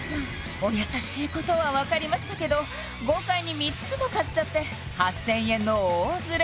お優しいことは分かりましたけど豪快に３つも買っちゃって８０００円の大ズレ